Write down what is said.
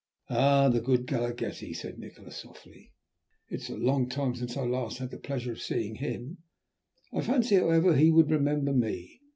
"Ah! the good Galaghetti," said Nikola softly. "It is a long time since I last had the pleasure of seeing him. I fancy, however, he would remember me.